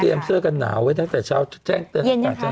ใครเตรียมเสื้อกันหนาวให้ตั้งแต่เช้าเจ็บเตือน